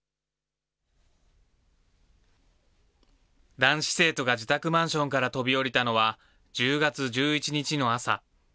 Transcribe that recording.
男子生徒が自宅マンションから飛び降りたのは、１０月１１日の朝。